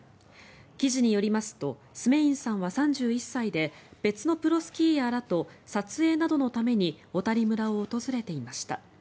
記事によりますとスメインさんは３１歳で別のプロスキーヤーらと撮影などのために小谷村を訪れていました。